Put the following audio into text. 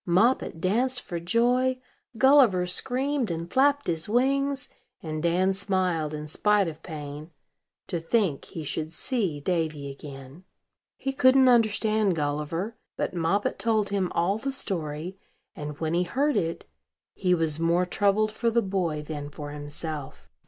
Moppet danced for joy; Gulliver screamed and flapped his wings; and Dan smiled, in spite of pain, to think he should see Davy again. He couldn't understand Gulliver; but Moppet told him all the story, and, when he heard it, he was more troubled for the boy than for himself.